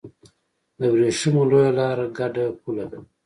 د ورېښمو لویه لار ګډه پوله ده.